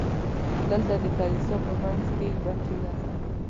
دلته د کلیسا په منځ کې یوه تیږه ده.